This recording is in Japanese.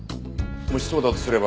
もしそうだとすれば。